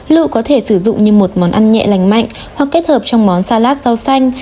lựu có thể sử dụng như một món ăn nhẹ lành mạnh hoặc kết hợp trong món salat rau xanh